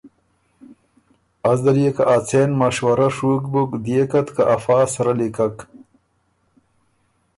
از ده ليې که ا څېن مشورۀ ڒُوک بُک، ديېکت که ا فا سرۀ لیکک